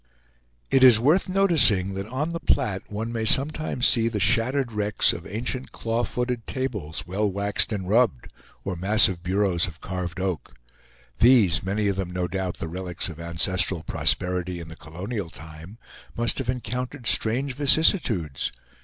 It is worth noticing that on the Platte one may sometimes see the shattered wrecks of ancient claw footed tables, well waxed and rubbed, or massive bureaus of carved oak. These, many of them no doubt the relics of ancestral prosperity in the colonial time, must have encountered strange vicissitudes.